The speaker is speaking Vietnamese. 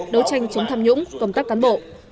kinh chống tham nhũng công tác cán bộ